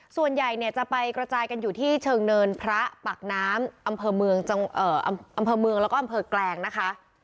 ส่วนใหญ่เนี่ยจะไปกระจายกันอยู่ที่เชิงเนินพระปากน้ำอำเภอเมืองแล้วก็อำเภอแกลงนะคะ